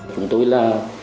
chúng tôi là